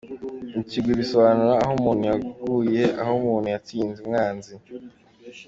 Ikigwi: Bisobanura aho umuntu yaguye, aho umuntu yatsinze umwanzi.